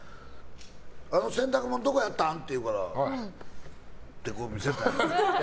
あの洗濯物どこやったん？っていうから見せて。